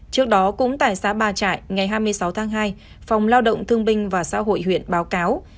trước đó cũng tại xã ba trại ngày hai mươi sáu tháng hai phòng lao động thương binh và xã hội huyện báo cáo